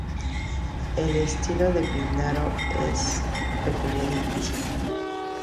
El estilo de Píndaro es peculiar y difícil.